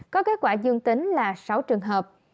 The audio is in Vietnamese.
có kết quả dương tính là sáu trường hợp